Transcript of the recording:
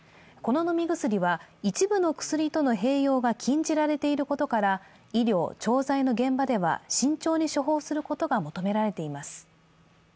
この飲み薬は一部の薬との併用が禁じられていることから医療・調剤の現場では慎重に処方することが求められています。